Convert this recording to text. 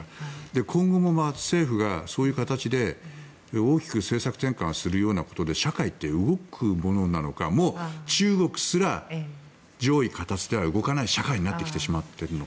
今後も政府がそういう形で大きく政策転換するようなことで社会って動くものなのかもう中国すら上意下達では動かない社会になってしまっているのか。